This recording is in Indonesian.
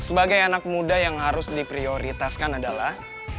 sebagai anak muda yang harus diprioritaskan adalah